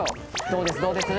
どうです？